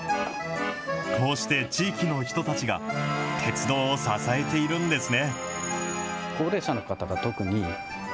こうして地域の人たちが鉄道を支えているんですね。